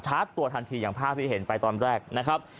ตัวทันทีอย่างภาพที่เห็นไปตอนแรกนะครับ